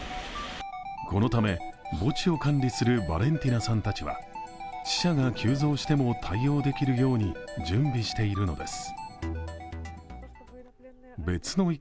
このため、墓地を管理するヴァレンティナさんたちは死者が急増しても対応できるように準備しているのです。